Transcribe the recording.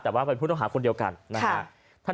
แต่ว่าเป็นผู้ต้องหาคนเดียวกันนะฮะ